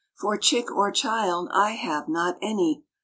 For chick or child I have not any."